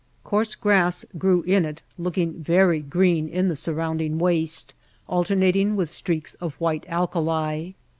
Coarse grass grew in it, looking very green in the surrounding waste, alternating with streaks of white alkali.